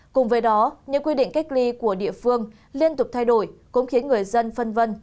cùng với đó những quy định cách ly của địa phương liên tục thay đổi cũng khiến người dân phân vân